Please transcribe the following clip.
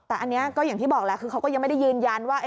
แต่อันนี้ก็อย่างที่บอกแหละคือเขาก็ยังไม่ได้ยืนยันว่า